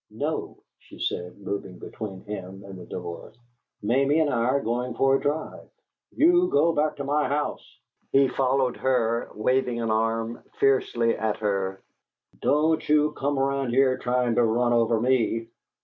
"No," she said, moving between him and the door. "Mamie and I are going for a drive." "You go back to my house!" He followed her, waving an arm fiercely at her. "Don't you come around here trying to run over me!